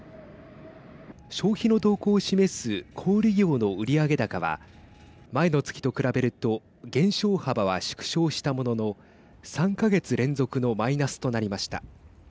消費の動向を示す小売業の売上高は前の月と比べると減少幅は縮小したものの３か月連続のマイナスとなりました。